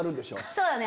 そうだね。